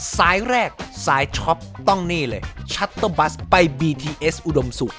สายแรกสายช็อปต้องนี่เลยชัตเตอร์บัสไปบีทีเอสอุดมศุกร์